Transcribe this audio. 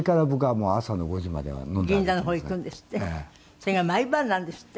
「それが毎晩なんですって？」